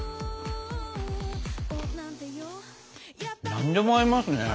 何でも合いますね。